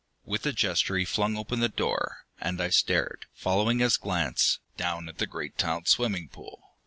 With a gesture he flung open the door, and I stared, following his glance, down at the great tiled swimming pool.